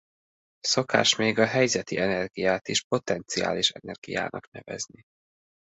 Szokás még a helyzeti energiát is potenciális energiának nevezni.